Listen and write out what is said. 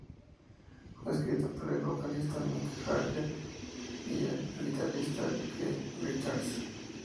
Fue escrita por el vocalista Mick Jagger y el guitarrista Keith Richards.